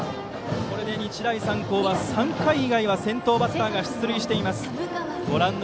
これで日大三高は３回以外は先頭バッターが出塁しています。